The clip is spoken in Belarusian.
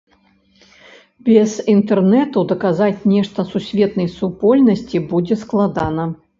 Без інтэрнэту даказаць нешта сусветнай супольнасці будзе складана.